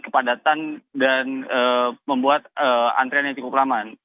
kepadatan dan membuat antrian yang cukup lama